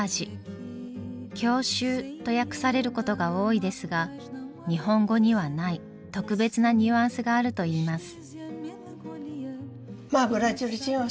「郷愁」と訳されることが多いですが日本語にはない特別なニュアンスがあると言います。